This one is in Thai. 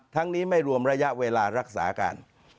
นี้ไม่รวมระยะเวลารักษาการ